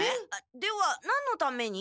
では何のために？